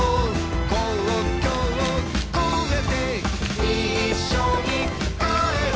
「国境超えて」「いっしょに帰ろう」